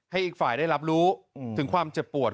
อีกฝ่ายได้รับรู้ถึงความเจ็บปวด